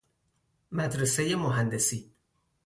مدرسه مهندسی